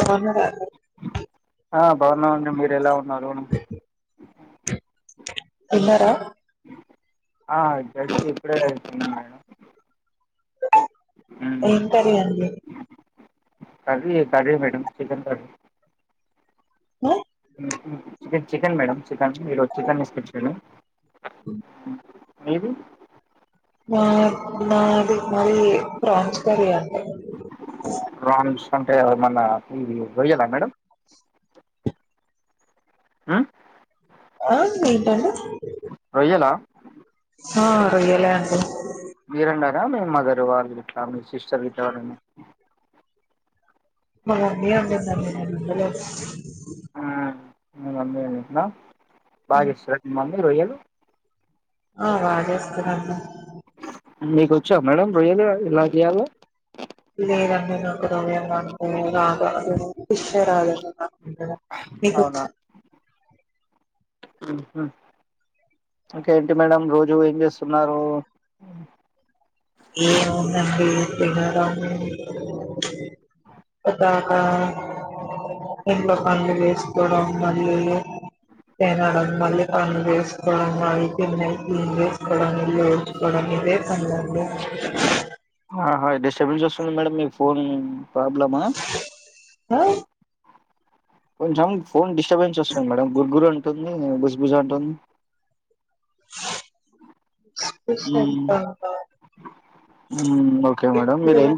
బాగున్నారా ఆ బాగున్నామండి మీరు ఎలా ఉన్నారు తిన్నారా ఆ జస్ట్ ఇప్పుడే తిన్నాం మేడం ఉమ్, ఎం కర్రీ అండి curry curry madam chicken curry ఏ [unintelligible] చికెన్ చికెన్ మేడం చికెన్ ఈరోజు చికెన్ తీసుకొచ్చారు మిది మా మాది మాది ఫ్రాన్స్ కర్రీ అండి ప్రాన్స్ అంటే మన్న ఇ రొయ్యల మేడం ఉహ్మ్మ్ ఆహ్ ఏంటండి రొయ్యలా ఆ రొయ్యలే అండి మీరండా మీ మదర్ వాళ్ళిట్ల మీ సిస్టర్ గిట్ల ఎవరైన మా మమ్మీ వండిందండి నేను వండలేదు అ అందే [unintelligible] బాగా ఇస్తే [unintelligible] హ రొయ్యలు ఓ అదే [unintelligible] మీీకు వచ్చా మేడం రొయ్యలు ఎలా చెయ్యాలో ఇదే రం అ మ [unintelligible] ఇంకా ఏంటి మేడం రోజు ఏం చేస్తున్నారు ఏమందండి తిన్నారాము ఒకగా ఇకం విేశ [unintelligible] మళడ మళ్ళ అేస్ మస్ [unintelligible] ఉపయోించుకోవడం ఇదే పందండి ఆహా డిస్టర్బెన్స్ వస్తుంది మేడం మీ ఫోన్ ప్రాబ్లమ్ ఆ కొంచెం ఫోన్ డిస్టర్బెన్స్ వస్తుంది మేడం గుర్గురు ఉంటుంది బుజ బుజ అంటుంది హ్మ్మ్ హ్మ్మ్ ఓకే మేడం మీరు ఏం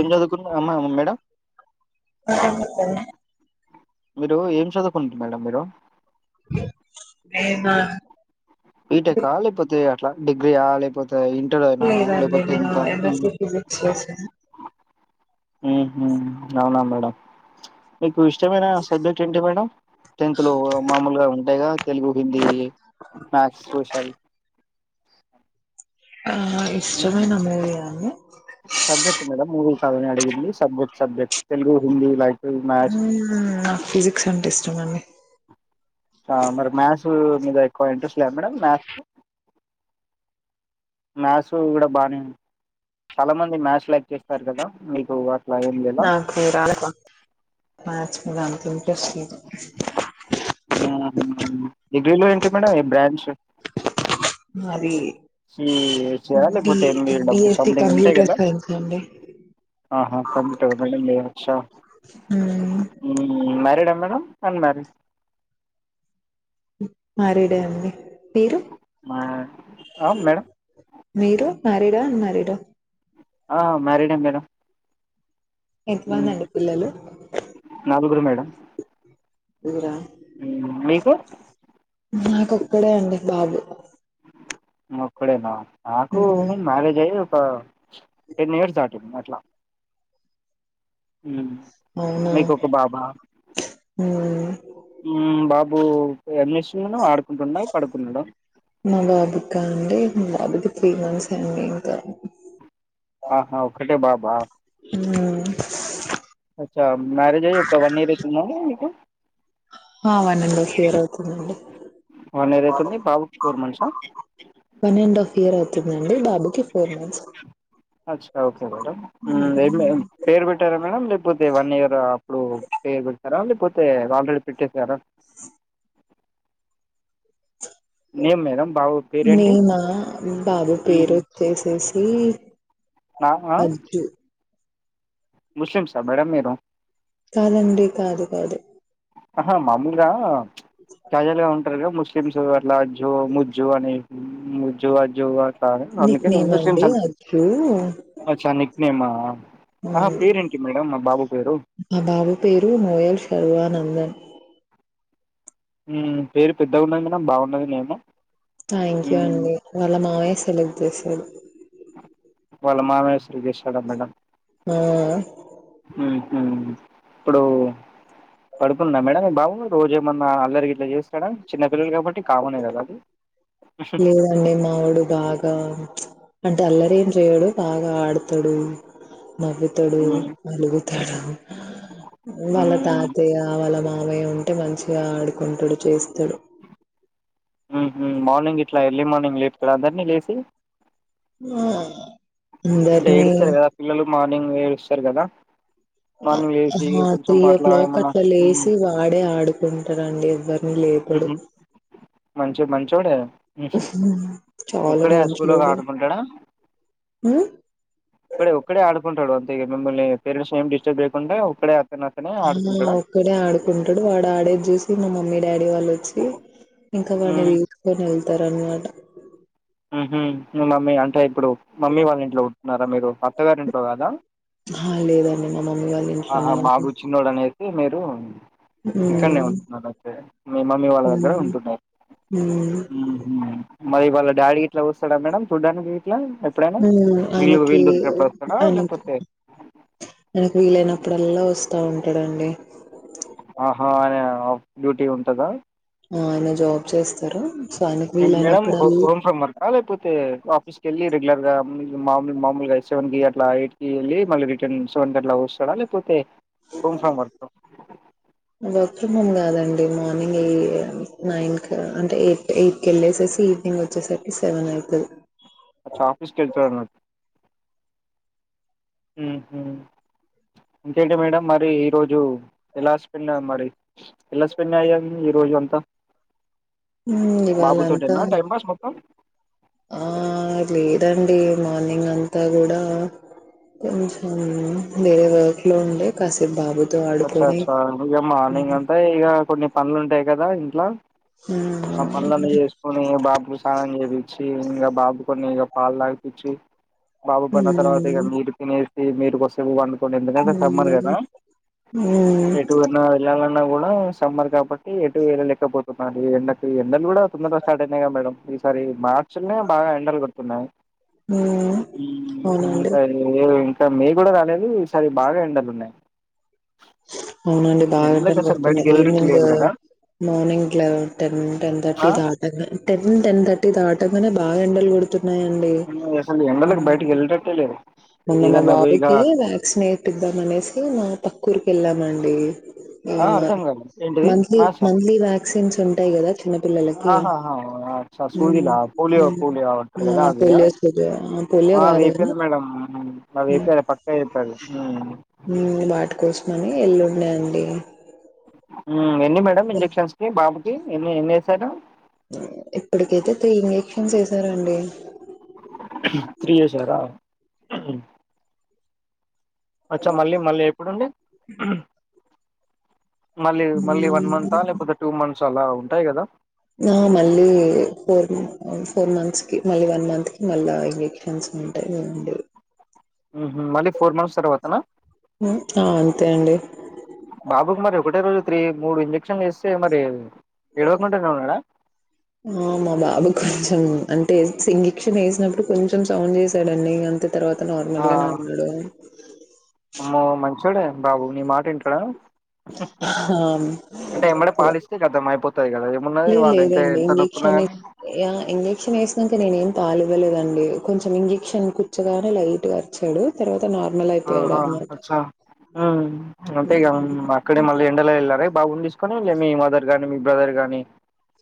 ఏం చదువుకున్నమ్ మేడం అ చెప్ప మీరు ఏం చదువుకుంటూరు మేడం మీరు అ ఏ బా బీటెకా లేకపోతే అట్లా డిగ్రీ ఆ లేకపోతే ఇంటర్ అయినా లేదండి లేకపోతే నేను ఎంత ఎంఎస్సి ఫిజిక్స్ చేశాను ఉహు అవునా మేడం ఇ ఇష్టమైన సబ్జెక్ట్ ఏంటి మేడం టెన్త్లో మామూలుగా ఉంటాయి కద తెలుగు హిందీ మ్యాథ్స్ సోషల్ ఆ హ్మ్ ఇష్టమైన మూవీ ఆ అండి సబ్జెక్ట్ మీద మూవీ కాదని అడిగింది. Subject subject Telugu Hindi like maths చెయ్యన్నీ ఆ మరి మ్యాస్ ఉ మీద ఎక్కువ ఇంట్రెస్ట్ లేద మేడం మ్యాథకు మ్యాథ్స్ కూడా బాగానే ఉ చాలా మంది మ్యాథ్స్ లైక్ చేస్తారు కదా మీకు అట్లా ఏం లేదా నాకు రాదబ్బా మ్యాథ్స్ రాదు ఇంట్రెస్ట్ లేదు ఆ డిగ్రీలో ఏంటి మేడం ఏం బ్రాంచ్ ఓ నాది సి హెచ్ ఎ లేకపోతే M B A డబ్లు BSc something ఉంటాయి కంప్యూటర్ కదా సైన్స్ అండి ఆహా కంప్యూటర్ ఫైనల్ ఇయర్ కదా అచ్చ మ్మ్ మ్యారిడ్ మేడం అన్మారిడ్ మ్యారీడ్ ఎహ్ అండి మీరు మేడం మీరు మారిడా అన్మారిడా ఆ మ్యారిడే మేడం ఎంతమందండి పిల్లలు నలుగురు మేడం ఇయిరా మ్ మీకు నాకొక్కడే అండి బాబు మా ఒక్కడేన నాకు మ్మ్ మ్యారేజ్ అయిన్ ఆ టెన్ ఇయర్స్ దాటింది. నా మ్ అవునా మీకు ఒక బాబా మ్మ్ మ్ బాబు ఓ ఎంజేస్తున్నవు ఆడుక్ మా బాబుకా అండి మా బాబుకు త్రీ ఇయర్స్ అండి ఇంకా ఆహా ఒకటే బాబ్ బా మ్ ఒక ఆ మ్యారజి అయ్యి ఒక వన్ ఇయర్ ఔతుందా అండి మీకు ఆ వన్ అండ్ హాఫ్ ఇయర్ అవుతుందండి వన్ ఇయర్ ఐతుంది బాబు కి ఫోర్ మంత్స్ ప వన్ అండ్ హాఫ్ ఇయర్ ఐతుందండి బాబుకిి ఫోర్ మంత్స్ అచ్చా ఓకే మేడం ఊ మ్మ్, ఏం ఏం పేరు పెట్టారా మేడం లేకపోతే వన్ ఇయర్ అప్పుడు పేరు పెడతారా లేకపోతే ఆల్రెడీ పెట్టేశారా బాబు పేరేంటి మేమా బాబు పేరు మ్మ్. వచ్చేసేసి తీ నా ఆ ముస్లిమ్స్ ఆ మేడం మీరు కాదండి కాదు కాదు అహా మాములుగా ప్చ్ ప్రజలేమంటారుగా ముస్ స్లింమ్స్ అట్లా జో ము ముజ్జో అని ముజ్జో అజ్జో అట్ నిక్ నేమ్ అండి అజ్జు అచ్చా నిక్ నేమా ఆహా మ్మ్ పేరేంటి మేడం మా బాబు పేరు మా బాబు పేరు నోయల్ శర్వానందన్. ఉమ్ పేరు పెద్దగ ఉన్నది మేడం బాగున్నది నేము థ్యాంక్ యూ మ్మ్ అండి వాళ్ళ మావయ్య సెలెక్ట్ చేసాడు వాళ్ళ మామయ్య సెలక్ట్ చేసాడా మేడం ఆ మ్మ్ హ్మ్ ఇప్పుడు పడుకుండ మేడం మీ బాబు, రోజు ఏమన్నా అల్లరి గిట్లా చేస్తాడ చిన్న పిల్లలు కాబట్టి కామనే కదా అది. లేదండి మావాడు బాగా ప్చ్ అంటే అల్లరేం చేయడు బాగా ఆడుతడు నవ్వుతడు మ్మ్ అలుగు తాడు వాళ్ళ మ్మ్ తాతయ్య వాళ్ళ మా మయ్య ఉంటే మంచిగా ఆడుకుంటాడు చేస్తడు మ్మ్ హ్మ్ మార్నింగ్ ఇట్లా ఎర్లీ మార్నింగ్ లేపుతాడ అందరినీ లేసి [unintelligible] అంటే ఏడుస్తారు కదా పిల్లలు మా డెంగ్ వేరు ఇస్తారు కదా మార్నింగ్ లేసి హా కొంచెం త్రీ ఓ అట్లా క్లాక్ ఏమన్నా అట్లా మ్మ్ లేసి వాడే ఆడుకుంటారండి ఊహూ మంచి మంచోడే ఊహూ చాలా ఒక్కడే అశ్కులో మంచోడు. ఆడుకుంటాడా హ్మ్. క్కడే ఒక్కడే ఆడు కుంటడు ఒద్దిగా మిమ్మల్ని పేరంట్స్ ని ఏం డిస్టర్ చెయ్యకుండా ఒక్కడే అతను అతనే ఆ ఆడుకుంటాడా ఒక్కడే ఆడుకుంటాడు వాడు ఆడేద చూసి తి మా మమ్మీ డాడీ వాళ్ళు చ్చి ఇంకా వాడిని మ్మ్ ఎత్తుకొని వెళ్తారు అనమాట ఉహుమ్ మీ మమ్మీ అంటే ఇప్పుడు మమ్మీ వాళ్ళ ఇంట్లో ఉన్నారా మీరు అత్తగారి ఇంట్లో కాదా హా లేదండి మా మమ్మీ గారు ఆహా మాగు చిన్నోడనే ప్లీజ్ మీరు హ్మ్ ఇక్కడనే ఉంటున్నారు అయితే మీ మమ్మీ వాళ్ళ దగ్గర హ్మ్ ఉంటున్నారు హ్మ్ ఉహుమ్ మరి వాళ్ళ డాడీ ఇట్లా వ ఇక్కడ మేడం చూడ్డానికి ఇట్లా ఎప్పుడైనా ఊమ్ వీళ్ళు ఆయినకి వీళ్ళు దొరికినప్పుడు వస్తాడా ఆయినకి లేకపోతే నాకు వీలనప్పుడల్లా వస్ తా ఉంటడండి ఆహా అ ఆఫ్ డ్యూటీ ఉంటదా ఆయన జాబ్ చేస్ అండ్ మేడం హో హోమ్ ఫ్రమ్ వర్క్ లేకపోతే ఆఫీస్ కెళ్ళి రెగ్యులర్గా ఉమ్ మా మామూలుగా సెవెన్ కి అట్లా ఎయిట్ కి వెళ్ళి మళ్ళి రిటర్న్ సెవెన్ కి అట్లా వస్తడా లేకపోతే హోమ్ ఫ్రమ్ వర్క్ బక మగాదా [inaudible] అండి మార్నింగ్ ఏ నైన్ క అంటే ఎయిట్ ఎయిట్ కెళ్ళేసేసి ఈవినింగ్ వచ్చేసరికి సెవెన్ ఐతది అచ్చా ఆఫిసుకెళ్తాను ఊహుమ్ ఇంకేంటి మేడం మరి ఈరోజు ఎలా స్పెండ్ మరి ఎలా స్పెండ్ అయ్యాం ఈరోజు అంతా ఊమ్ ఇవాళ్ళ అంతా బాబుతోటేనా టైం పాస్ మొత్తం ఆ లేదండి మార్నింగ్ అంతా గూడా కొంచెం వేరే వర్క్ లో ఉండే కాసేపు బాబు అచ్చ అచ్చా ఇగ మార్నింగ్ అంతా ఇగ కొన్ని పనులుంటాయి కదా ఇంట్లో ఆ హ్మ్. పనులన్ని జేసుకొని బాబుకు స్నానం జేపి ఇచ్చి ఇంకా బాబు కొని ఇగ పాలు తాగిపిచ్చి బాబు పడిన తర్వాత ఇగ హ్మ్. మీరు తినే ఇగ మీరు కోసేపు పండు ఎందుకంటే సమ్మర్ కదా హ్మ్. హ్మ్. ఎటు పోయినా వెళ్ళా ఏళ్లిన కూడా సమ్మర్ కాబట్టి ఎటు ఎలలేకపోతున్నారు ఈ ఎండకు ఎండలు కూడా తొందరగా స్టార్ట్ అయినాయి గా మేడం ఈసారి మార్చి ర్చల్ నో బాగా ఎండల్ తున్నాయి హ్మ్. ఊమ్ అవునండి ఇంకా ఏవేవో క మే గుడ కాలేదు ఈ సారి బాగా ఎండలున్నయ్ అవునండి బాగెండాల్ బయటికి గొడుతున్నాయ్ వెళ్ళటట్టు ఈవినింగ్ లేదు కదా మార్నింగ్ల టెన్ టెన్ థర్టీ ఆ దాటగా టెన్ టెన్ థర్టీ దాట. కనె బాగెండల్ గొడుతు ఉన్నాయండి అసలు ఉం ఎండలకు బయటికి వెళ్ళటట్టే లేదు నిన్న మా ఏదన్నా పోయి ఇక బాబుకి వ్యాక్సినేట్ ఇద్దమనేసి నా కుర్క్ ఏళ్లమండి ఆ అవునా అర్థం కాదు ఏంటిది మంత్లీ మాసా మంత్లీ వ్యాక్సిన్ చెం టై గద ఆహాహా అ అచ్చ హ్మ్ సూదిలా పోలియో హ్మ్ పోలియో అడంటారు కదా అవి ఆ. పోలియో సూది ఆ పోలియో ఆ అవి కాదు గాని ఏపీయాల్ మేడం అవి హ్మ్ వేపియాలి పక్క ఎపియాలి హమ్. కోస్మని ఎళ్ళుండే అండి మ్ హమ్ ఎన్ని మేడం ఇంజెక్షన్స్ కి బాబు టి ఎన్ని ఎన్ని ఎసారు ఇప్పటికైతే త్రీ ఇంజెక్షన్స్ వేశారండి త్రీ వేసారా అచ్చ మళ్ళీ మళ్ళీ ఎప్పుడ్ అండి మళ్ళీ మళ్ళీ వన్ మంత్ ఆ లేకపోతే టూ మంత్ చల ఉంటాయి కదా ఆ మళ్ళీ ఫోర్ ఫోర్ మంత్స్ కి మళ్ళీ వన్ మంత్ కి మల్లా ఇంజెక్షన్స్ ఉంటాయి అండి మ్హు మళ్ళీ ఫోర్ మంత్స్ తర్వాతనా హ్మ్ ఆ అంతే అండి. బాబుకు మరి ఒకటే రోజ్ త్రీ మూడు ఇంజెక్షన్ వేస్తే మరి ఏడవకుండానే ఉన్నాడా ఆ మా బాబు కొంచెం అంత్ టె సింగిక్షన్ ఎసినప్పుడు కొంచెం సౌండ్ చేసాడుండి అంతే తర్వాత ఆ! నార్మల్ గానే ఉన్నడు అమ్మో మంచోడే బాబు నీ మాట ఇన్టాడా ఆ! అంటే ఎమ్మడే పాలు ఇస్తే కతం అయిపోత్ లే లేదండి ఇంజెక్షన్ ఎ కానీ య ఇంజెక్షన్ ఎస్ ఇంక నేన్ ఏం తలివ్వలేద్ అండి కొంచెం ఇంజక్షన్ కచ్చాగానే లైటుగా అరిచాడు తర్వాత నార్మల్ ఆహ అయిపోయాడనమాట. అచ్చ ఆ అంటే ఇగ అక్కడే మళ్ళీ ఎండలో ఎళ్ళారా మరి బౌండిస్ కని లే మి మదర్ గానీ మి బ్రదర్ గాని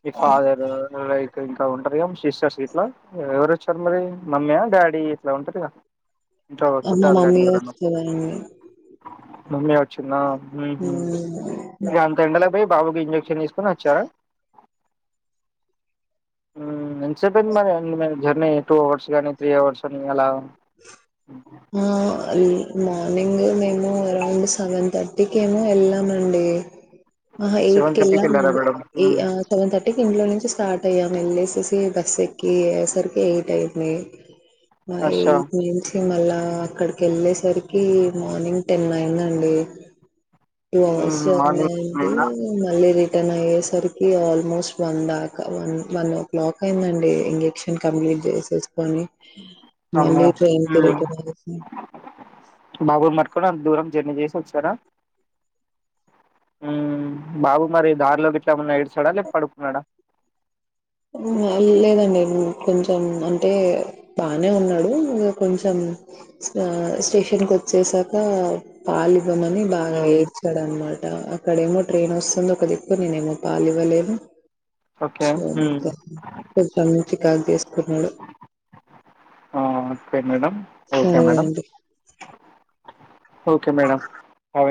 మీ ఫాదర్ లైక్ ఇంకా ఉంటారు కద సిస్టర్స్ ఇట్లా ఎవరు వచ్చారు మరి మమ్మీ, డాడీ ఇట్లా ఉంటారు కదా. ఇంట్లవోలు, ఆ! చుట్టాలు గానీ [unintelligible] మమ్మీ వచ్చిందా? ఉహు హ్మ్. ఇగ అంత ఎండలో పోయి బాబుకి ఇంజక్షన్ తీసుకోని వచ్చారా ఆ ఎంత సేపు అయింది మరి అన్ని మరి జర్నీ టూ అవర్స్ కాని త్రీ అవర్స్ కాని అలా ఆ అని మార్నింగ్ మేము అరౌండ్ సెవెన్ థర్టీకి ఏమో వెళ్ళామండి. ఆ ఎయిట్ సెవెన్ కి థర్టీకి వెళ్ళారా ఎళ్ళమండి మేడం ఏ హ్మ్. ఆ సెవెన్ థర్టీకి ఇంట్లోనే స్టార్ట్ అయ్యాం వెళ్లేసిసి బస్ ఎక్కిసరికి ఎయిట్ అయింది. మై అచ్చా మళ్ళా అక్కడికి వెళ్ళేసరికి మార్నింగ్ టెన్ అయిందండి. టూ అవర్స్ హ్మ్ జర్నీ మార్నింగ్ సిక్స్ అయింది అయిందా? మలేరి రిటర్న్ అయ్యేసరికి ఆల్మోస్ట్ వన్ దాక వన్ వన్ ఓ క్లాక్ అయిందండి. ఇంజక్షన్ కంప్లీట్ చేసేసుకొని మలి ఉ బాబలు మాట్కుం దూరం జర్నీ చేసి వచ్చాడా ఉ బాబు మరి దారిలోకి ఎట్లా ఉన్నా ఏడిచాడా లేక పడుకున్నాడా. ఊ లేదండి కొంచెం అంటే బానే ఉన్నాడు కొంచెం ఆ స్టేషన్కి వచ్చేసాక పాలు ఉన్నని బాగా హ్మ్ ఏడ్చాడ అన్నమాట అక్కడేమో ట్రైన్ వస్తుంది ఒక దిక్కు నేనెమో పాలు ఇవ్వలేను. ఓకే ఉ కో కొంచెం నుంచి కాక్ తీసుకున్నాడు ఆ ఓకే మేడం ఓకే సరే మేడం అండి. ఓకే మేడం అవును